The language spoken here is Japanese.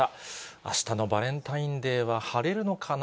あしたのバレンタインデーは晴れるのかな。